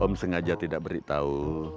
om sengaja tidak beritahu